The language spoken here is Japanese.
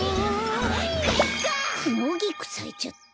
ノギクさいちゃった。